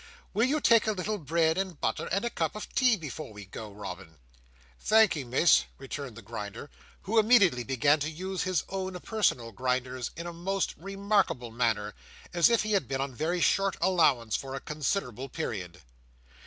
"Will you take a little bread and butter, and a cup of tea, before we go, Robin?" "Thankee, Miss," returned the Grinder; who immediately began to use his own personal grinders in a most remarkable manner, as if he had been on very short allowance for a considerable period.